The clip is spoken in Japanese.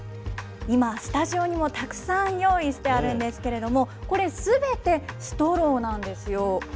今、スタジオにもたくさん用意してあるんですけれども、これ、すべてストローなんですよ。